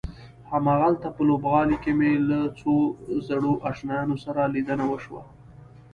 هماغلته په لوبغالي کې مې له څو زړو آشنایانو سره لیدنه وشوه.